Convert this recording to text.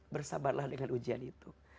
bersabarlah dengan ujian itu